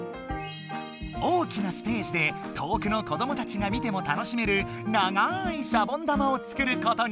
大きなステージで遠くの子どもたちが見ても楽しめる長いシャボン玉を作ることに。